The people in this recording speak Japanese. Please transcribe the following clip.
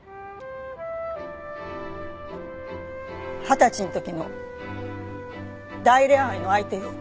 二十歳の時の大恋愛の相手よ。